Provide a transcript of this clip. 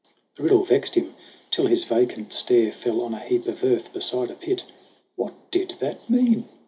The riddle vexed him till his vacant stare Fell on a heap of earth beside a pit. What did that mean